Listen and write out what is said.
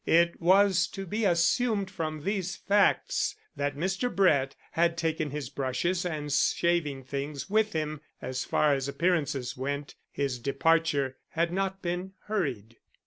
It was to be assumed from these facts that Mr. Brett had taken his brushes and shaving things with him. As far as appearances went, his departure had not been hurried.